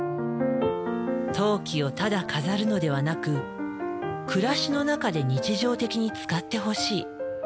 陶器をただ飾るのではなく「暮らしの中で日常的に使ってほしい」。